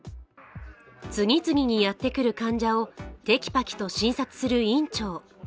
次々にやってくる患者をてきぱきと診察する院長。